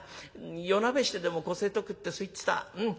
夜なべしてでもこせえとくってそう言ってたうん。